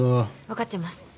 わかってます。